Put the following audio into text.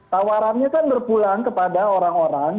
tawarannya kan berpulang kepada orang orang